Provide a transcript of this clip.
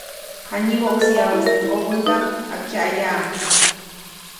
Janyiboʼksäyabäʼis teʼ kobändaʼm, jakyaʼyaʼuŋ.